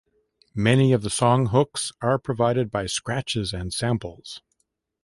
Many of the songs hooks are provided by scratches and samples.